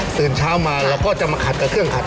ตื่นเช้ามาเราก็จะมาขัดกับเครื่องขัด